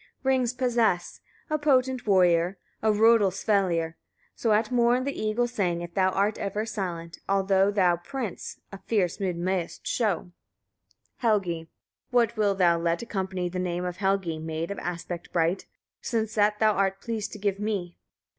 rings possess, a potent warrior, or Rodulsvellir, so at morn the eagle sang if thou art ever silent; although thou, prince! a fierce mood mayest show. Helgi. 7. What wilt thou let accompany the name of Helgi, maid of aspect bright! since that thou art pleased to give me?